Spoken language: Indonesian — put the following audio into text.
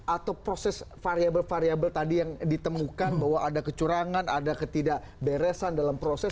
atau proses variable variable tadi yang ditemukan bahwa ada kecurangan ada ketidakberesan dalam proses